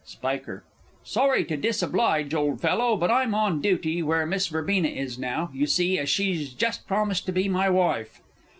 Sp. Sorry to disoblige, old fellow, but I'm on duty where Miss Verbena is now, you see, as she's just promised to be my wife.